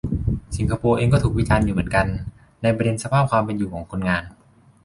สิงคโปร์เองก็ถูกวิจารณ์อยู่เหมือนกัน ในประเด็นสภาพความเป็นอยู่ของคนงาน